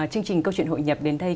chương trình câu chuyện hội nhập đến đây